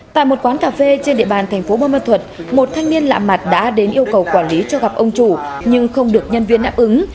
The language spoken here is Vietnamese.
tại một quán cà phê trên địa bàn thành phố bôn mật thuật một thanh niên lạ mặt đã đến yêu cầu quản lý cho gặp ông chủ nhưng không được nhân viên đáp ứng